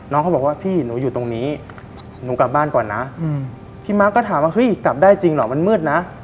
เขาบอกว่าพี่หนูอยู่ตรงนี้หนูกลับบ้านก่อนนะพี่มาร์คก็ถามว่าเฮ้ยกลับได้จริงเหรอมันมืดนะ